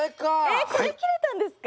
えっこれ切れたんですか？